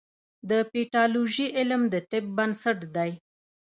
د پیتالوژي علم د طب بنسټ دی.